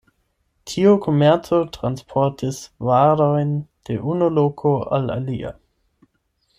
Tiu komerco transportis varojn de unu loko al alia.